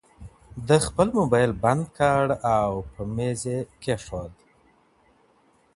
ده خپل مبایل بند کړ او په مېز یې کېښود.